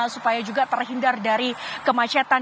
supaya juga terhindar dari kemacetan